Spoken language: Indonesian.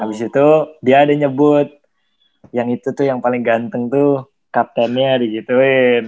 habis itu dia ada nyebut yang itu tuh yang paling ganteng tuh kaptennya di jtwe